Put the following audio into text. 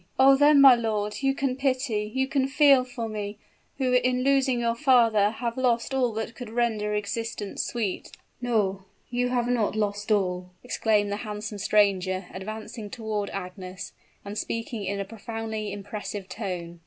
"Oh! then, my lord, you can pity you can feel for me, who in losing your father have lost all that could render existence sweet!" "No you have not lost all!" exclaimed the handsome stranger, advancing toward Agnes, and speaking in a profoundly impressive tone.